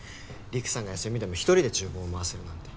りくさんが休みでも一人で厨房を回せるなんて。